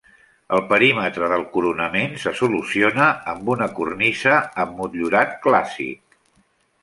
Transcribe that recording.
El perímetre del coronament se soluciona amb una cornisa amb motllurat clàssic.